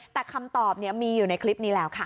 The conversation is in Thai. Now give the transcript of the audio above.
แต่คำตอบมีอยู่ในคลิปนี้แล้วค่ะ